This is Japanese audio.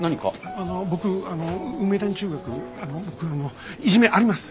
あの僕あの梅谷中学あのいじめあります。